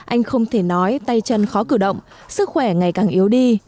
anh không thể nói tay chân khó cử động sức khỏe ngày càng yếu đi